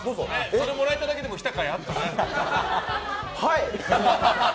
それもらえただけでも来たかいあったね。